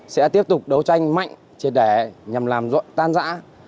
sẽ tiếp tục đấu tranh mạnh trên đẻ nhằm làm tan rã